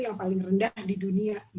yang paling rendah di dunia